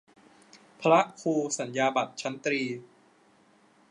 พระครูสัญญาบัตรชั้นตรี